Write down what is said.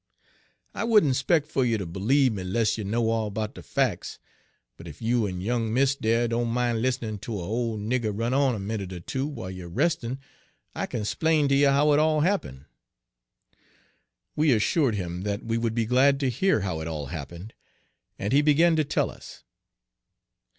"I wouldn' spec' fer you ter b'lieve me 'less you know all 'bout de fac's. But ef you en young miss dere doan' min' lis'nin' ter a ole nigger run on a minute er two w'ile you er restin', I kin 'splain to you how it all happen'." We assured him that we would be glad to hear how it all happened, and he began to tell us.